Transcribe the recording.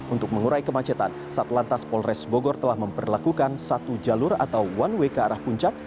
untuk mengurai kemacetan satlantas polres bogor telah memperlakukan satu jalur atau one way ke arah puncak